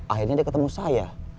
akhirnya dia ketemu saya